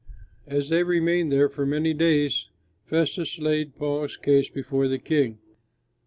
As they remained there for many days, Festus laid Paul's case before the King.